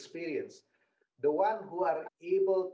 pengalaman negara lain